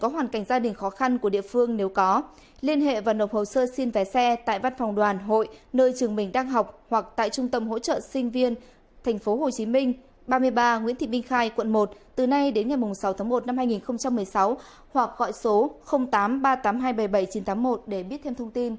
hãy đăng ký kênh để ủng hộ kênh của chúng mình nhé